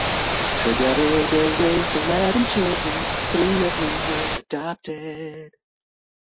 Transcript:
Together, they raised eleven children, three of whom were adopted.